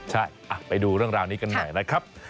ใช่ไปดูเรื่องราวนี้กันหน่อยนะครับ